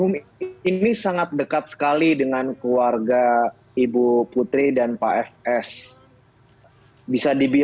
oleh bu putri